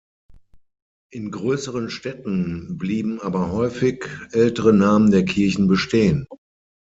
In größeren Städten blieben aber häufig ältere Namen der Kirchen bestehen.